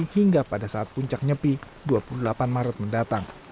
hingga pada saat puncak nyepi dua puluh delapan maret mendatang